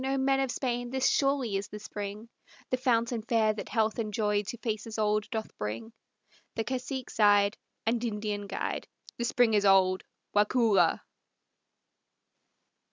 O men of Spain! This surely is the spring, The fountain fair that health and joy to faces old doth bring!" The cacique sighed, And Indian guide, "The spring is old, Waukulla!"